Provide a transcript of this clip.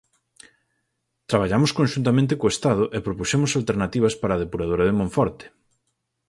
Traballamos conxuntamente co Estado e propuxemos alternativas para a depuradora de Monforte.